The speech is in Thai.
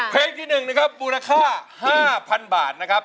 เพลงที่๑นะครับมูลค่า๕๐๐๐บาทนะครับ